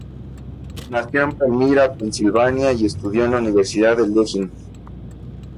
Nació en Palmyra, Pennsylvania y estudió en la Universidad de Lehigh.